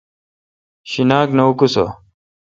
شیناک نہ اکوسہ۔